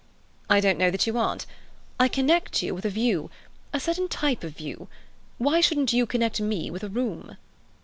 "I don't know that you aren't. I connect you with a view—a certain type of view. Why shouldn't you connect me with a room?"